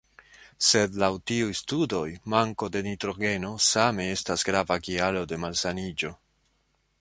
Sed laŭ tiuj studoj, manko de nitrogeno same estas grava kialo de malsaniĝo.